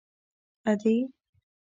_ادې!!!